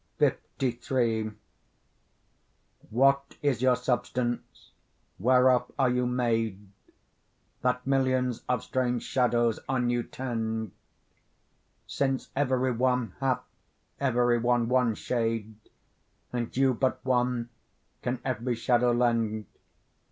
LIII What is your substance, whereof are you made, That millions of strange shadows on you tend? Since every one, hath every one, one shade, And you but one, can every shadow lend.